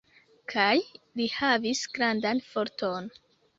Kaj li havis grandan forton.